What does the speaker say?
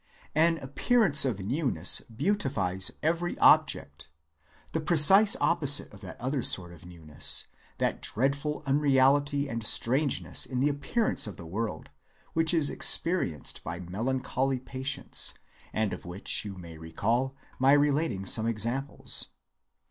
"An appearance of newness beautifies every object," the precise opposite of that other sort of newness, that dreadful unreality and strangeness in the appearance of the world, which is experienced by melancholy patients, and of which you may recall my relating some examples.